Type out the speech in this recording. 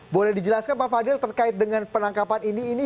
boleh dijelaskan pak fadil terkait dengan penangkapan ini